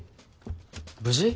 無事？